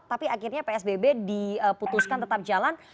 tapi akhirnya psbb diputuskan tetap jalan